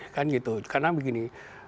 kan gitu karena begini